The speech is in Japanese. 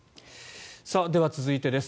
では、続いてです。